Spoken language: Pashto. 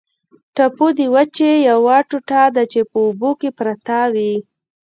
ټاپو د وچې یوه ټوټه ده چې په اوبو کې پرته وي.